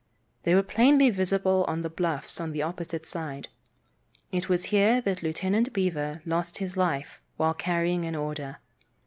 They were plainly visible on the bluffs on the opposite side. It was here that Lieutenant Beever lost his life while carrying an order.